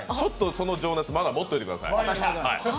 その情熱まだ持っておいてください。